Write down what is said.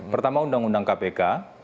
pertama undang undang kpk